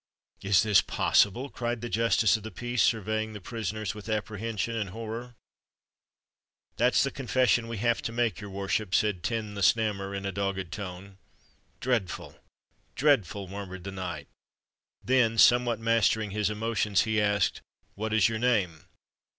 "Is this possible?" cried the Justice of the Peace, surveying the prisoners with apprehension and horror. "That's the confession we have to make, your worship," said Tim the Snammer, in a dogged tone. "Dreadful! dreadful!" murmured the knight: then, somewhat mastering his emotions, he asked, "What is your name?"